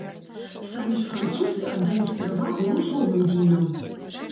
Самі ж французы аддаюць перавагу ружовым вінам.